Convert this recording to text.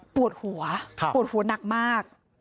ปวดหัวปวดหัวหนักมาก